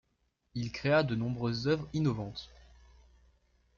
Il créa de nombreuses œuvres innovantes.